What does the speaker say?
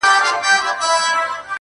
بحثونه بيا تازه کيږي ناڅاپه ډېر,